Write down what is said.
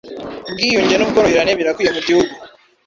ubwiyunge n’ubworoherane birakwiye mugihugu